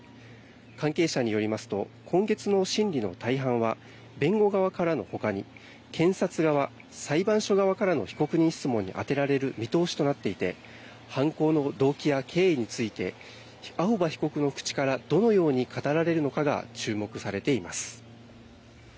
関係者によりますと今月の審理の大半は弁護側からのほかに検察側、裁判所側からの被告人質問に充てられる見通しとなっていて犯行の動機や経緯について青葉被告の口からどのように語られるのかが注目されています。